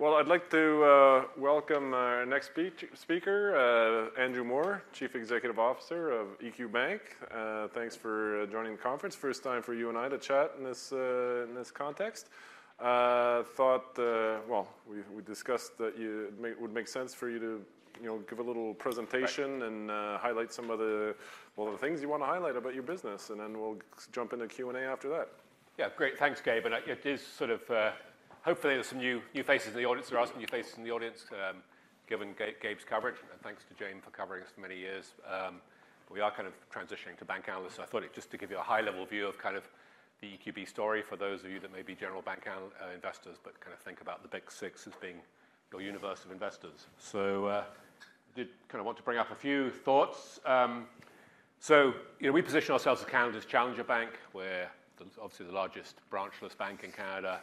Well, I'd like to welcome our next speaker, Andrew Moor, Chief Executive Officer of EQ Bank. Thanks for joining the conference. First time for you and I to chat in this context. Well, we discussed that it would make sense for you to, you know, give a little presentation- Right. and highlight some of the, well, the things you wanna highlight about your business, and then we'll jump into Q&A after that. Yeah, great. Thanks, Gabe. And it is sort of... Hopefully, there are some new faces in the audience, given Gabe's coverage. And thanks to Jaeme for covering us for many years. We are kind of transitioning to bank analyst, so I thought just to give you a high level view of kind of the EQB story for those of you that may be general bank analysts, investors, but kind of think about the Big Six as being your universe of investors. I did kind of want to bring up a few thoughts. You know, we position ourselves as Canada's challenger bank. We're the, obviously, the largest branchless bank in Canada.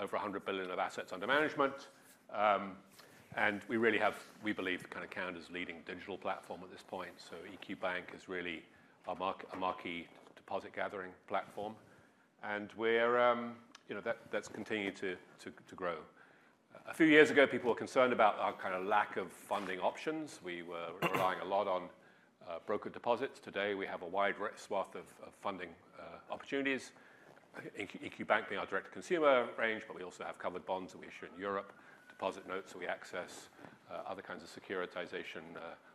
Over 100 billion of assets under management. And we really have, we believe, kind of Canada's leading digital platform at this point, so EQ Bank is really a marquee deposit gathering platform. And we're. You know, that's continued to grow. A few years ago, people were concerned about our kind of lack of funding options. We were relying a lot on broker deposits. Today, we have a wide swath of funding opportunities, EQ Bank being our direct consumer range, but we also have covered bonds that we issue in Europe, deposit notes, so we access other kinds of securitization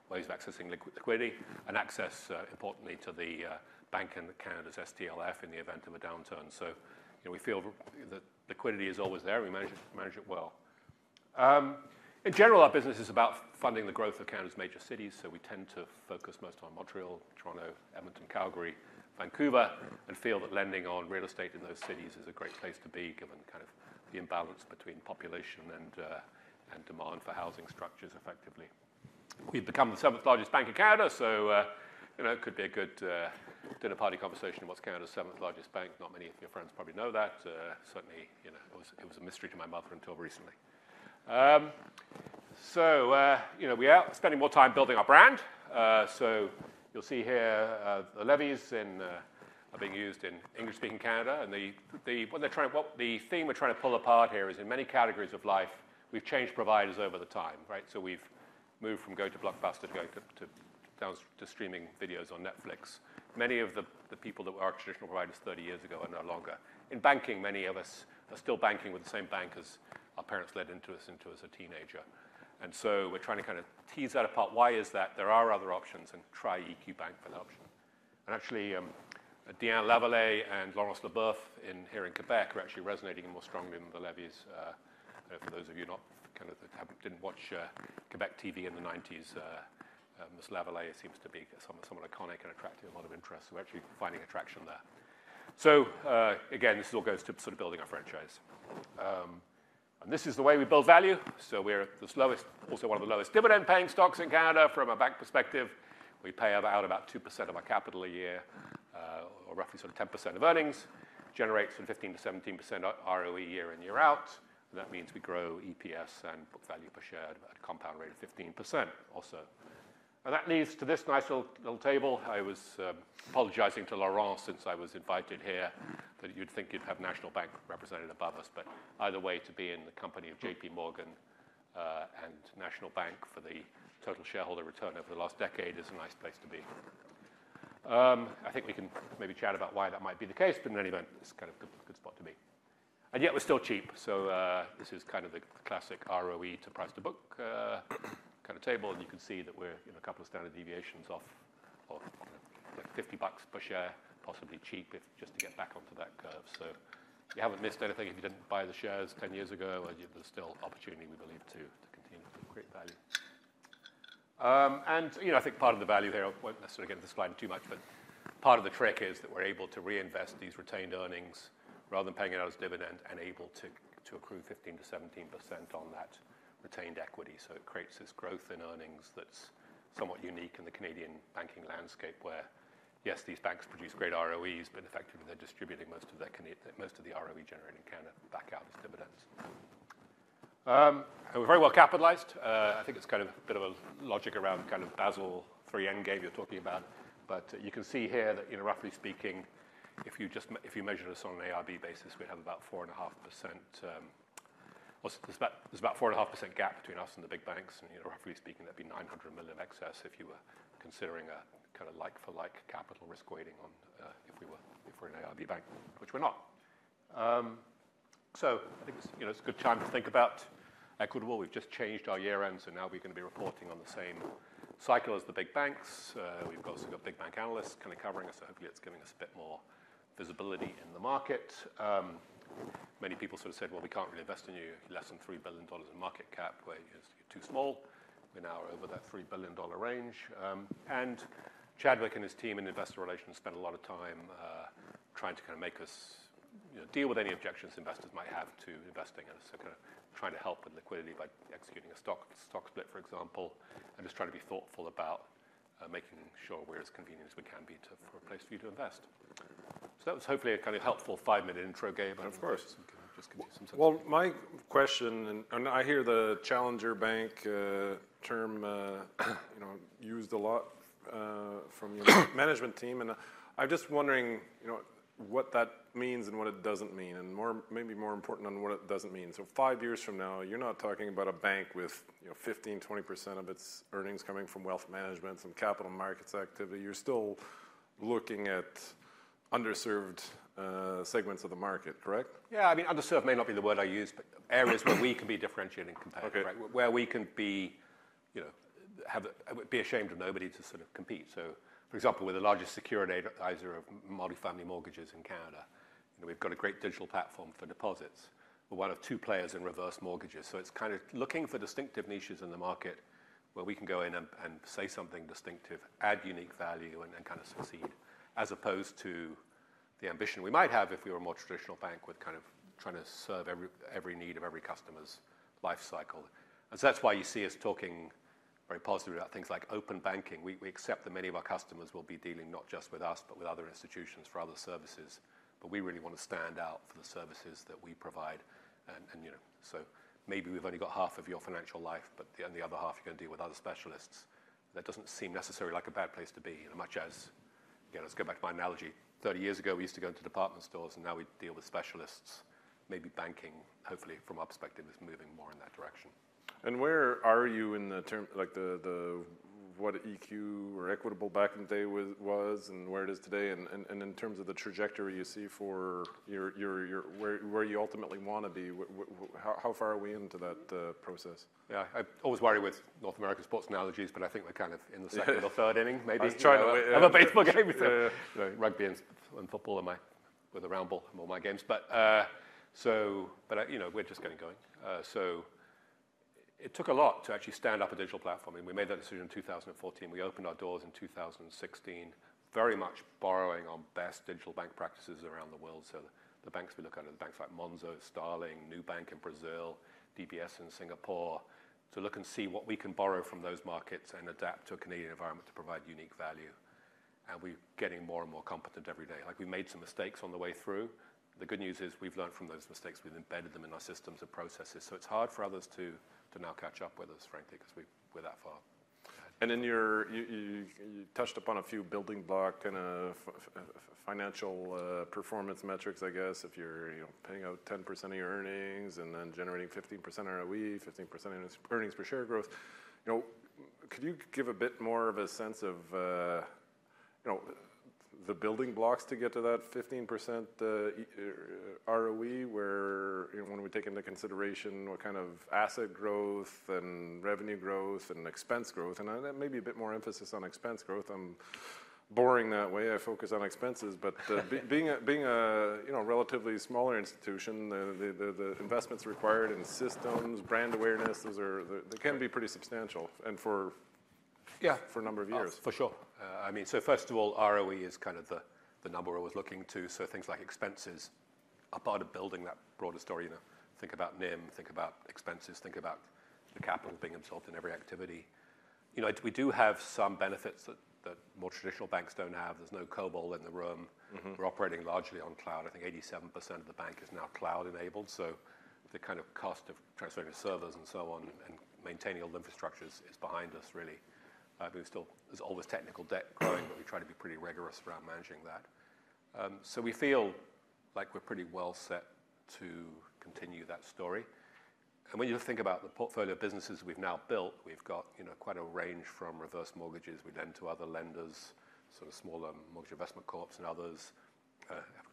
ways of accessing liquidity, and access, importantly, to the Bank of Canada's STLF in the event of a downturn. So, you know, we feel that liquidity is always there. We manage it well. In general, our business is about funding the growth of Canada's major cities, so we tend to focus most on Montreal, Toronto, Edmonton, Calgary, Vancouver, and feel that lending on real estate in those cities is a great place to be, given kind of the imbalance between population and demand for housing structures effectively. We've become the seventh largest bank in Canada, so you know, it could be a good dinner party conversation. "What's Canada's seventh largest bank?" Not many of your friends probably know that. Certainly, you know, it was a mystery to my mother until recently. So you know, we are spending more time building our brand. So you'll see here, the Levys are being used in English-speaking Canada, and the... What the theme we're trying to pull apart here is in many categories of life, we've changed providers over the time, right? So we've moved from going to Blockbuster to going to, down to streaming videos on Netflix. Many of the people that were our traditional providers 30 years ago are no longer. In banking, many of us are still banking with the same bank as our parents led into us, into as a teenager, and so we're trying to kind of tease that apart. Why is that? There are other options, and try EQ Bank for that option. And actually, Diane Lavallée and Laurence Leboeuf in here in Quebec are actually resonating more strongly than the Levys. For those of you not kind of that didn't watch Quebec TV in the nineties, Ms. Lavallée seems to be somewhat iconic and attracting a lot of interest. We're actually finding traction there. So, again, this all goes to sort of building our franchise. And this is the way we build value. So we're at the slowest, also one of the lowest dividend-paying stocks in Canada from a bank perspective. We pay about 2% of our capital a year, or roughly sort of 10% of earnings. Generates from 15%-17% ROE year in, year out. That means we grow EPS and book value per share at a compound rate of 15% also. And that leads to this nice little table. I was apologizing to Laurent since I was invited here, that you'd think you'd have National Bank represented above us, but either way, to be in the company of J.P. Morgan and National Bank for the total shareholder return over the last decade is a nice place to be. I think we can maybe chat about why that might be the case, but in any event, it's kind of a good spot to be. And yet we're still cheap, so this is kind of the classic ROE to price to book kind of table, and you can see that we're, you know, a couple of standard deviations off, or, like, 50 bucks per share, possibly cheap if just to get back onto that curve. So you haven't missed anything if you didn't buy the shares 10 years ago, and there's still opportunity, we believe, to continue to create value. And, you know, I think part of the value here, I won't necessarily get into this slide too much, but part of the trick is that we're able to reinvest these retained earnings rather than paying it out as dividend, and able to accrue 15%-17% on that retained equity. So it creates this growth in earnings that's somewhat unique in the Canadian banking landscape, where, yes, these banks produce great ROEs, but effectively, they're distributing most of the ROE generated in Canada back out as dividends. And we're very well capitalized. I think it's kind of a bit of a logic around kind of Basel III Endgame you're talking about, but you can see here that, you know, roughly speaking, if you just measured us on an IRB basis, we'd have about 4.5%, well, there's about a 4.5% gap between us and the big banks, and, you know, roughly speaking, there'd be 900 million of excess if you were considering a kind of like for like capital risk weighting on, if we're an IRB bank, which we're not. So I think it's, you know, it's a good time to think about Equitable. We've just changed our year-end, so now we're gonna be reporting on the same cycle as the big banks. We've got some big bank analysts kind of covering us, so hopefully it's giving us a bit more visibility in the market. Many people sort of said: Well, we can't really invest in you, less than 3 billion dollars in market cap, where you're too small. We're now over that 3 billion dollar range. And Chadwick and his team in Investor Relations spend a lot of time, trying to kind of make us, you know, deal with any objections investors might have to investing in us. So kind of trying to help with liquidity by executing a stock split, for example, and just trying to be thoughtful about, making sure we're as convenient as we can be to—for a place for you to invest. So that was hopefully a kind of helpful five-minute intro Gabe- Of course. Just give you some- Well, my question, and I hear the challenger bank term, you know, used a lot from your management team, and I'm just wondering, you know, what that means and what it doesn't mean, and more, maybe more important on what it doesn't mean. So five years from now, you're not talking about a bank with, you know, 15%-20% of its earnings coming from wealth management and capital markets activity, you're still looking at underserved segments of the market, correct? Yeah. I mean, underserved may not be the word I use, but areas where we can be differentiating competitive. Okay. Where we can be, you know, have to be ashamed of nobody to sort of compete. So, for example, we're the largest securitizer of multi-family mortgages in Canada, and we've got a great digital platform for deposits. We're one of two players in reverse mortgages, so it's kind of looking for distinctive niches in the market where we can go in and say something distinctive, add unique value, and then kind of succeed, as opposed to the ambition we might have if we were a more traditional bank, with kind of trying to serve every need of every customer's life cycle. So that's why you see us talking very positively about things like open banking. We accept that many of our customers will be dealing not just with us, but with other institutions for other services. But we really want to stand out for the services that we provide, and you know, so maybe we've only got half of your financial life, but the other half, you're going to deal with other specialists. That doesn't seem necessarily like a bad place to be, in much as... You know, let's go back to my analogy. 30 years ago, we used to go into department stores, and now we deal with specialists. Maybe banking, hopefully from our perspective, is moving more in that direction. Where are you in the term, like the what EQ or Equitable Bank back in the day was and where it is today, and in terms of the trajectory you see for your where you ultimately want to be, how far are we into that process? Yeah, I always worry with North American sports analogies, but I think we're kind of in the second or third inning, maybe. Trying- Have a baseball game. Yeah. Rugby and football were the round ball, more my games. But you know, we're just getting going. It took a lot to actually stand up a digital platform, and we made that decision in 2014. We opened our doors in 2016, very much borrowing on best digital bank practices around the world. So the banks we look at are the banks like Monzo, Starling, Nubank in Brazil, DBS in Singapore, to look and see what we can borrow from those markets and adapt to a Canadian environment to provide unique value, and we're getting more and more competent every day. Like, we made some mistakes on the way through. The good news is we've learned from those mistakes. We've embedded them in our systems and processes, so it's hard for others to now catch up with us, frankly, because we're that far. And then you touched upon a few building blocks and financial performance metrics, I guess, if you're, you know, paying out 10% of your earnings and then generating 15% ROE, 15% earnings per share growth, you know, could you give a bit more of a sense of, you know, the building blocks to get to that 15% ROE, where, you know, when we take into consideration what kind of asset growth and revenue growth and expense growth, and that may be a bit more emphasis on expense growth. I'm boring that way, I focus on expenses. But being a, you know, relatively smaller institution, the investments required in systems, brand awareness, those are... They can be pretty substantial, and for- Yeah... for a number of years. For sure. I mean, so first of all, ROE is kind of the, the number we're always looking to, so things like expenses are part of building that broader story. You know, think about NIM, think about expenses, think about the capital being absorbed in every activity. You know, we do have some benefits that, that more traditional banks don't have. There's no COBOL in the room. Mm-hmm. We're operating largely on cloud. I think 87% of the bank is now cloud-enabled, so the kind of cost of transferring servers and so on and maintaining all the infrastructures is behind us, really. But we still, there's always technical debt growing, but we try to be pretty rigorous around managing that. So we feel like we're pretty well set to continue that story. And when you think about the portfolio of businesses we've now built, we've got, you know, quite a range from reverse mortgages we lend to other lenders, sort of smaller mortgage investment corps and others,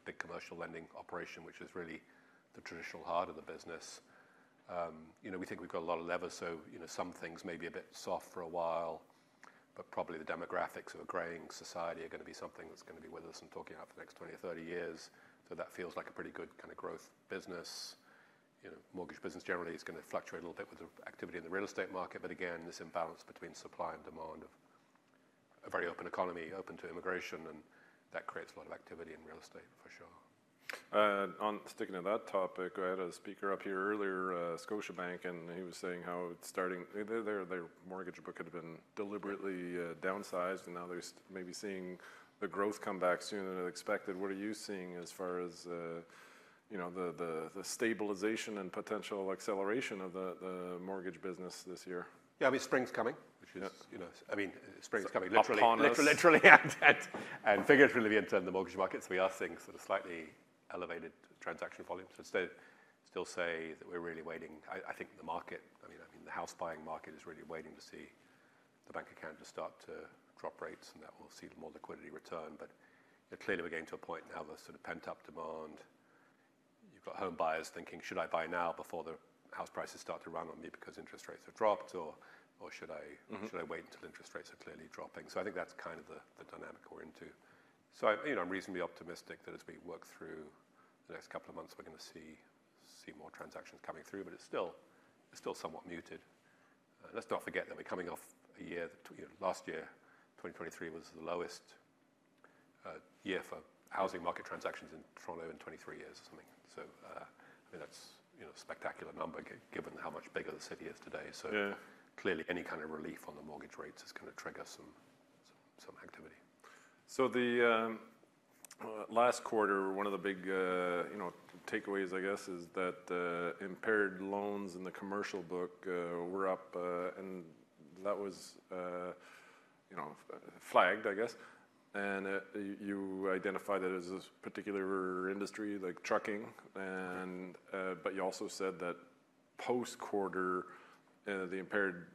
big commercial lending operation, which is really the traditional heart of the business. You know, we think we've got a lot of leverage, so, you know, some things may be a bit soft for a while, but probably the demographics of a graying society are gonna be something that's gonna be with us and talking about for the next 20 or 30 years. So that feels like a pretty good kind of growth business. You know, mortgage business generally is gonna fluctuate a little bit with the activity in the real estate market, but again, this imbalance between supply and demand of a very open economy, open to immigration, and that creates a lot of activity in real estate for sure. On sticking to that topic, I had a speaker up here earlier, Scotiabank, and he was saying how it's starting—their mortgage book had been deliberately downsized, and now they're maybe seeing the growth come back sooner than expected. What are you seeing as far as, you know, the stabilization and potential acceleration of the mortgage business this year? Yeah, I mean, spring's coming, which is- Yeah. You know, I mean, spring's coming- Upon us. Literally and figuratively in terms of the mortgage markets, we are seeing sort of slightly elevated transaction volumes. I'd still say that we're really waiting. I think the market, I mean, the house buying market is really waiting to see the Bank of Canada start to drop rates, and then we'll see more liquidity return. But clearly, we're getting to a point now where sort of pent-up demand, you've got home buyers thinking, "Should I buy now before the house prices start to run on me because interest rates have dropped? Or should I- Mm-hmm... should I wait until interest rates are clearly dropping?" So I think that's kind of the dynamic we're into. So, I, you know, I'm reasonably optimistic that as we work through the next couple of months, we're going to see more transactions coming through, but it's still somewhat muted. Let's not forget that we're coming off a year, that, you know, last year, 2023, was the lowest year for housing market transactions in Toronto in 23 years or something. So, I mean, that's, you know, a spectacular number given how much bigger the city is today. So- Yeah... clearly, any kind of relief on the mortgage rates is gonna trigger some activity. So the last quarter, one of the big, you know, takeaways, I guess, is that impaired loans in the commercial book were up, and that was, you know, flagged, I guess. You identified it as this particular industry, like trucking, and but you also said that post-quarter the impaired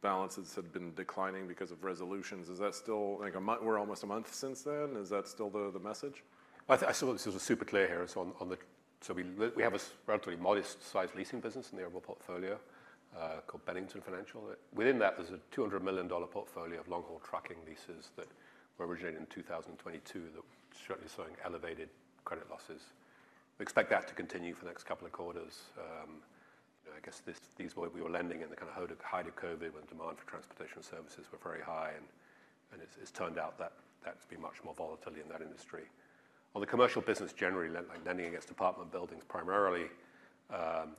balances had been declining because of resolutions. Is that still—like, a month, we're almost a month since then? Is that still the message? I think this is super clear here. We have a relatively modest-sized leasing business in the equipment portfolio called Bennington Financial. Within that, there's a 200 million dollar portfolio of long-haul trucking leases that were originated in 2022 that certainly showing elevated credit losses. We expect that to continue for the next couple of quarters. You know, I guess we were lending in the height of COVID, when demand for transportation services were very high, and it's turned out that that's been much more volatility in that industry. On the commercial business, generally, like lending against apartment buildings primarily,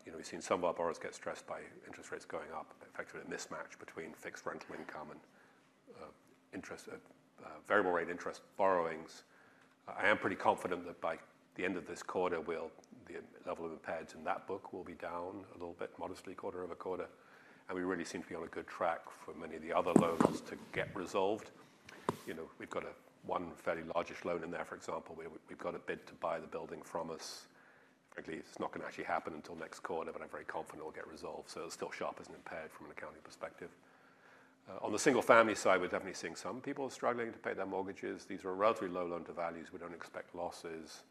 you know, we've seen some of our borrowers get stressed by interest rates going up. Effectively, a mismatch between fixed rental income and interest, variable rate interest borrowings. I am pretty confident that by the end of this quarter, the level of impairments in that book will be down a little bit modestly, quarter-over-quarter, and we really seem to be on a good track for many of the other loans to get resolved. You know, we've got one fairly large loan in there, for example, where we've got a bid to buy the building from us. Actually, it's not gonna actually happen until next quarter, but I'm very confident it'll get resolved, so it's still classified as impaired from an accounting perspective. On the single-family side, we're definitely seeing some people struggling to pay their mortgages. These are relatively low loan-to-values. We don't expect losses,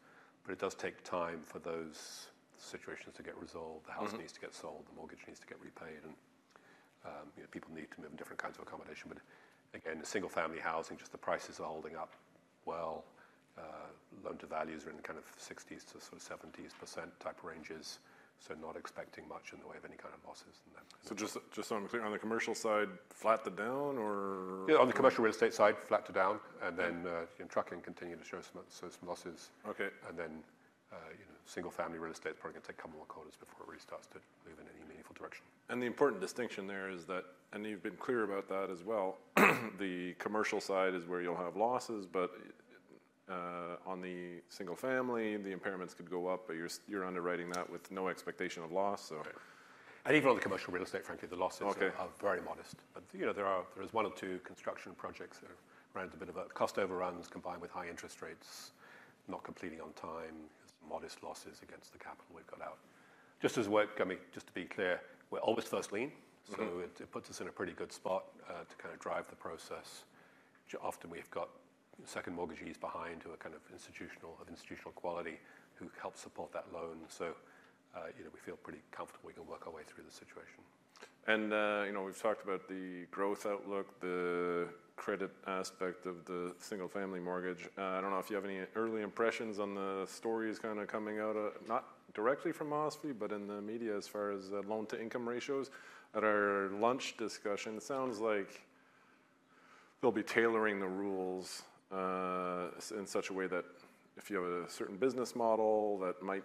but it does take time for those situations to get resolved. Mm-hmm. The house needs to get sold, the mortgage needs to get repaid, and, you know, people need to move in different kinds of accommodation. But again, the single-family housing, just the prices are holding up well. Loan-to-values are in kind of 60s to sort of 70s% type ranges, so not expecting much in the way of any kind of losses in them. Just so I'm clear, on the commercial side, flat to down, or? Yeah, on the commercial real estate side, flat to down, and then in trucking, continuing to show some losses. Okay. Then, you know, single-family real estate, probably going to take a couple more quarters before it really starts to move in any meaningful direction. The important distinction there is that, and you've been clear about that as well, the commercial side is where you'll have losses, but on the single family, the impairments could go up, but you're underwriting that with no expectation of loss, so. Yeah. Even on the commercial real estate, frankly, the losses- Okay... are very modest. But, you know, there is one or two construction projects that ran into a bit of a cost overruns, combined with high interest rates, not completing on time, modest losses against the capital we've got out. Just to be clear, we're always first lien. Mm-hmm. So it puts us in a pretty good spot to kind of drive the process. Often we've got second mortgagees behind who are kind of institutional, of institutional quality, who help support that loan. So, you know, we feel pretty comfortable we can work our way through the situation. You know, we've talked about the growth outlook, the credit aspect of the single-family mortgage. I don't know if you have any early impressions on the stories kind of coming out, not directly from OSFI, but in the media as far as loan-to-income ratios. At our lunch discussion, it sounds like they'll be tailoring the rules, in such a way that if you have a certain business model that might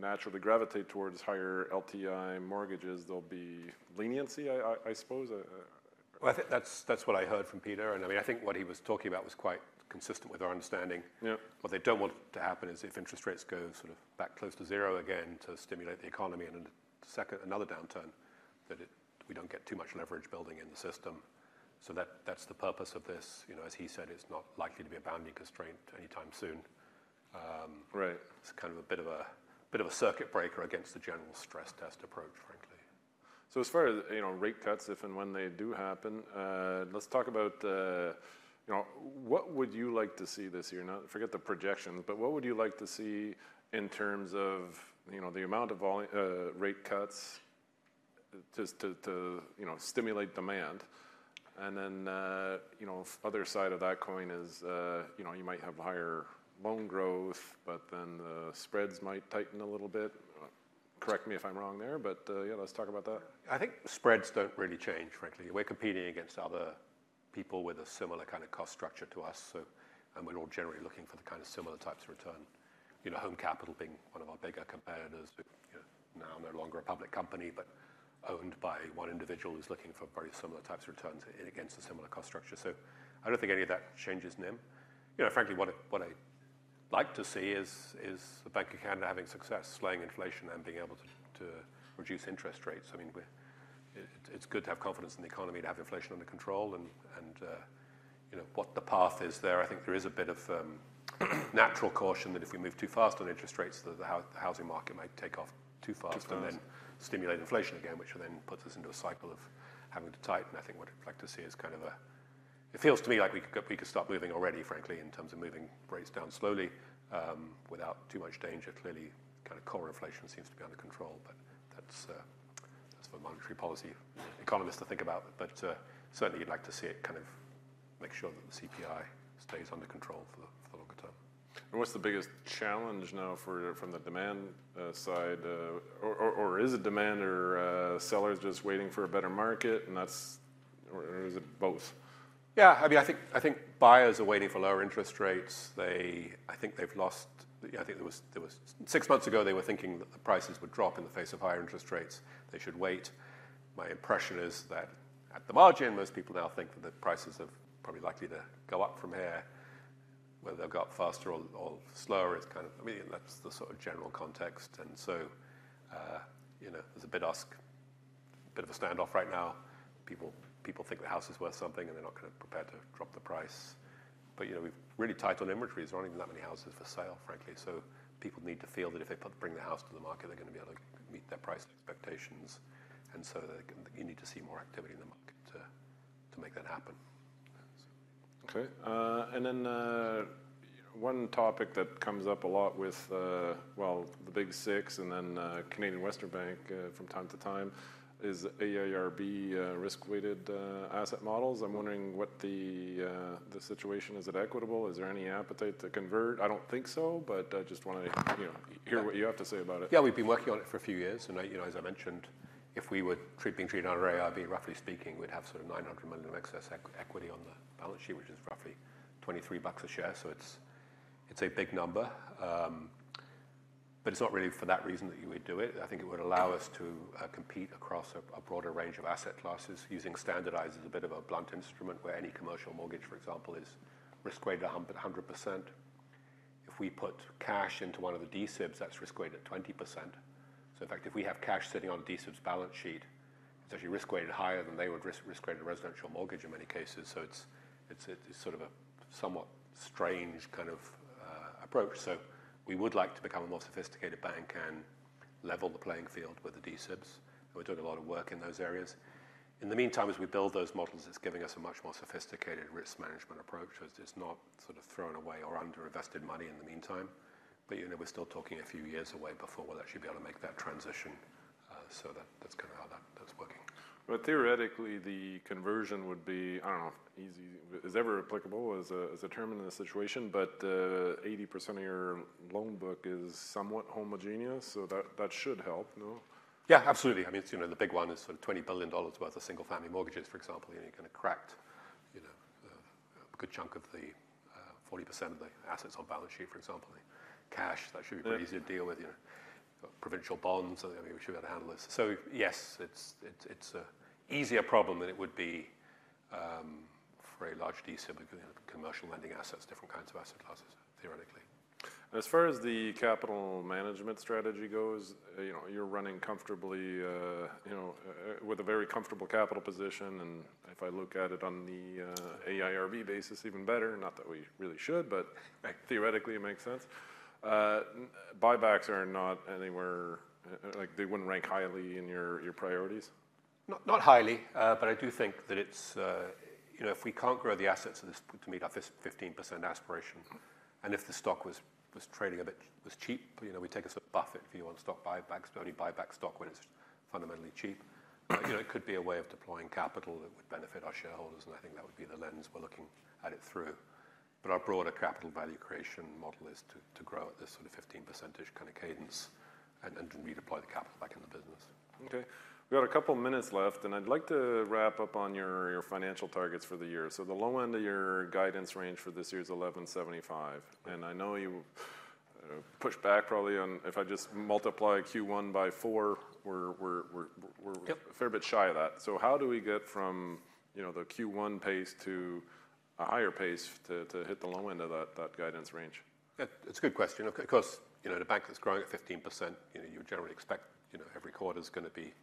naturally gravitate towards higher LTI mortgages, there'll be leniency, I suppose? Well, I think that's, that's what I heard from Peter, and I mean, I think what he was talking about was quite consistent with our understanding. Yeah. What they don't want to happen is if interest rates go sort of back close to zero again to stimulate the economy, and then another downturn, that we don't get too much leverage building in the system. So that, that's the purpose of this. You know, as he said, it's not likely to be a bounding constraint anytime soon. Right. It's kind of a bit of a circuit breaker against the general stress test approach, frankly. So as far as, you know, rate cuts, if and when they do happen, let's talk about, you know, what would you like to see this year? Forget the projections, but what would you like to see in terms of, you know, the amount of rate cuts just to, you know, stimulate demand? And then, you know, other side of that coin is, you know, you might have higher loan growth, but then the spreads might tighten a little bit. Correct me if I'm wrong there, but, yeah, let's talk about that. I think spreads don't really change, frankly. We're competing against other people with a similar kind of cost structure to us, so... We're all generally looking for the kind of similar types of return. You know, Home Capital being one of our bigger competitors, which, you know, now no longer a public company, but owned by one individual who's looking for very similar types of returns against a similar cost structure. So I don't think any of that changes NIM. You know, frankly, what I, what I'd like to see is, is the Bank of Canada having success slaying inflation and being able to, to reduce interest rates. I mean, it's good to have confidence in the economy, to have inflation under control, and, you know, what the path is there. I think there is a bit of natural caution that if we move too fast on interest rates, that the housing market might take off too fast- Too fast... and then stimulate inflation again, which then puts us into a cycle of having to tighten. I think what I'd like to see is kind of a—it feels to me like we could start moving already, frankly, in terms of moving rates down slowly, without too much danger. Clearly, kind of core inflation seems to be under control, but that's for monetary policy economists to think about. But certainly you'd like to see it, kind of make sure that the CPI stays under control for the longer term. What's the biggest challenge now from the demand side, or is it sellers just waiting for a better market, and that's-... or, or is it both? Yeah, I mean, I think, I think buyers are waiting for lower interest rates. Yeah, I think there was—6 months ago, they were thinking that the prices would drop in the face of higher interest rates, they should wait. My impression is that, at the margin, most people now think that the prices are probably likely to go up from here. Whether they'll go up faster or, or slower, it's kind of... I mean, that's the sort of general context, and so, you know, there's a big ask, bit of a standoff right now. People, people think the house is worth something, and they're not kind of prepared to drop the price. But, you know, we're really tight on inventories. There aren't even that many houses for sale, frankly. So people need to feel that if they bring their house to the market, they're gonna be able to meet their price expectations, and so you need to see more activity in the market to make that happen. So... Okay. And then, one topic that comes up a lot with, well, the Big Six, and then, Canadian Western Bank, from time to time, is AIRB risk-weighted asset models. I'm wondering what the, the situation, is it Equitable? Is there any appetite to convert? I don't think so, but I just wanted to, you know, hear what you have to say about it. Yeah, we've been working on it for a few years, and, you know, as I mentioned, if we were being treated on AIRB, roughly speaking, we'd have sort of 900 million of excess equity on the balance sheet, which is roughly 23 bucks a share. So it's, it's a big number. But it's not really for that reason that you would do it. I think it would allow us to compete across a broader range of asset classes using standardized. It's a bit of a blunt instrument, where any commercial mortgage, for example, is risk-weighted 100%. If we put cash into one of the D-SIBs, that's risk-weighted at 20%. So in fact, if we have cash sitting on D-SIB's balance sheet, it's actually risk-weighted higher than they would risk-weight a residential mortgage in many cases. So it's sort of a somewhat strange kind of approach. So we would like to become a more sophisticated bank and level the playing field with the D-SIBs, and we're doing a lot of work in those areas. In the meantime, as we build those models, it's giving us a much more sophisticated risk management approach. So it's not sort of thrown away or underinvested money in the meantime, but, you know, we're still talking a few years away before we'll actually be able to make that transition, so that's kind of how that's working. But theoretically, the conversion would be, I don't know, easy... is ever applicable as a, as a term in this situation, but, 80% of your loan book is somewhat homogeneous, so that, that should help, no? Yeah, absolutely. I mean, it's, you know, the big one is sort of 20 billion dollars worth of single-family mortgages, for example, you know, kind of cracked, you know, a, a good chunk of the 40% of the assets on balance sheet, for example. Cash- Yeah... that should be pretty easy to deal with, you know. Provincial bonds, I mean, we should be able to handle this. So yes, it's an easier problem than it would be for a large D-SIB, commercial lending assets, different kinds of asset classes, theoretically. And as far as the capital management strategy goes, you know, you're running comfortably, you know, with a very comfortable capital position, and if I look at it on the, AIRB basis, even better, not that we really should, but like, theoretically, it makes sense. Buybacks are not anywhere, like, they wouldn't rank highly in your, your priorities? Not, not highly, but I do think that it's, you know, if we can't grow the assets of this to meet our 15% aspiration, and if the stock was, was trading a bit, was cheap, you know, we take a sort of Buffett view on stock buybacks. We only buy back stock when it's fundamentally cheap. But, you know, it could be a way of deploying capital that would benefit our shareholders, and I think that would be the lens we're looking at it through. But our broader capital value creation model is to grow at this sort of 15% kind of cadence and redeploy the capital back in the business. Okay. We've got a couple minutes left, and I'd like to wrap up on your financial targets for the year. So the low end of your guidance range for this year is 11.75, and I know you pushed back probably on... If I just multiply Q1 by four, we're... Yep... a fair bit shy of that. So how do we get from, you know, the Q1 pace to a higher pace to hit the low end of that guidance range? Yeah, it's a good question. Of course, you know, the bank is growing at 15%. You know, you would generally expect, you know, every quarter is gonna be-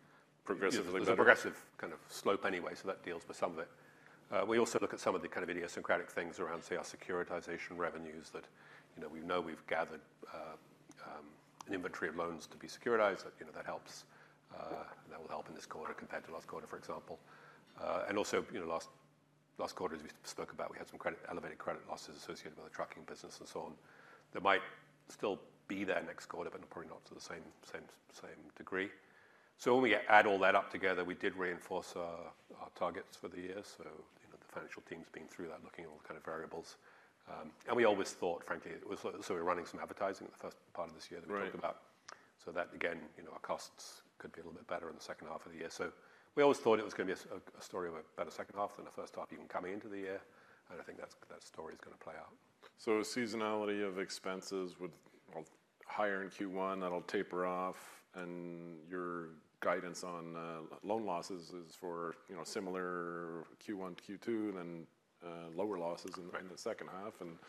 Progressively better. There's a progressive kind of slope anyway, so that deals with some of it. We also look at some of the kind of idiosyncratic things around, say, our securitization revenues that, you know, we know we've gathered an inventory of loans to be securitized. You know, that helps, that will help in this quarter compared to last quarter, for example. And also, you know, last quarter, as we spoke about, we had some elevated credit losses associated with the trucking business and so on. They might still be there next quarter, but probably not to the same degree. So when we add all that up together, we did reinforce our targets for the year. So, you know, the financial team's been through that, looking at all kind of variables. And we always thought, frankly, it was. So we're running some advertising the first part of this year. Right... that we spoke about. So that, again, you know, our costs could be a little bit better in the H2 of the year. So we always thought it was gonna be a story of a better H2 than the H1 even coming into the year, and I think that's- that story is gonna play out. So seasonality of expenses would, well, higher in Q1, that'll taper off, and your guidance on loan losses is for, you know, similar Q1, Q2, and then lower losses in- Right... the H2, and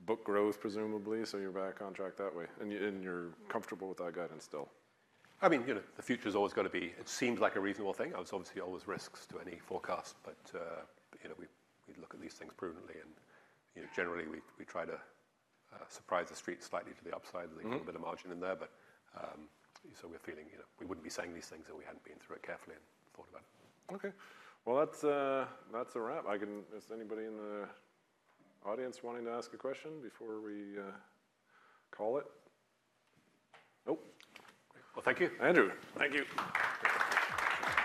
book growth, presumably, so you're back on track that way, and you, and you're comfortable with that guidance still? I mean, you know, the future's always gonna be- It seems like a reasonable thing. There's obviously always risks to any forecast, but, you know, we look at these things prudently and, you know, generally, we try to surprise the Street slightly to the upside- Mm-hmm... there's a little bit of margin in there, but, so we're feeling, you know, we wouldn't be saying these things if we hadn't been through it carefully and thought about it. Okay. Well, that's a wrap. Is anybody in the audience wanting to ask a question before we call it? Nope. Well, thank you. Andrew, thank you.